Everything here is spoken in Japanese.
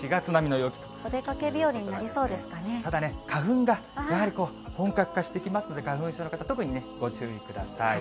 お出かけ日和になりそうですただね、花粉がやはりこう、本格化してきますので、花粉症の方、特にご注意ください。